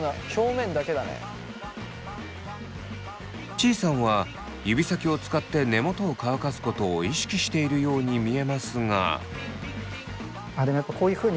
ちーさんは指先を使って根元を乾かすことを意識しているように見えますが。